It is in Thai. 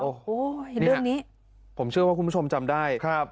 โอ้โหเห็นเรื่องนี้ผมเชื่อว่าคุณผู้ชมจำได้ครับ